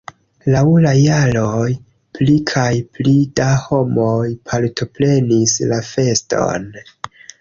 Laŭ la jaroj pli kaj pli da homoj partoprenis la feston.